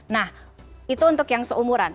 nah itu untuk yang seumuran